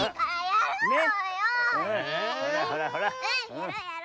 やろうやろう。